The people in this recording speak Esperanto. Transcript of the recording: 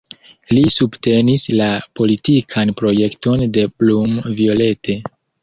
Li subtenis la politikan projekton de Blum-Violette.